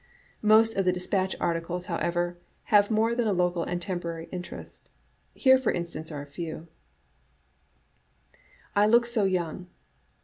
Most of the Dispatch articles, however, have more than a local and temporary interest. Here, for in stance, are a few : I Look So Young.